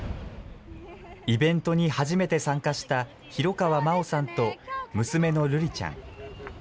イベントに初めて参加した廣川真緒さんと娘の瑠莉ちゃん。